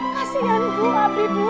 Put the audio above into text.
kasian bu abi bu